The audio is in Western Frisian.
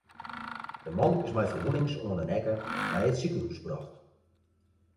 De man is mei ferwûnings oan de nekke nei it sikehûs brocht.